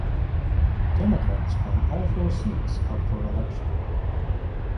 Democrats won all four seats up for election.